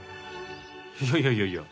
いやいやいやいや